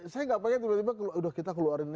saya gak pengen tiba tiba udah kita keluarin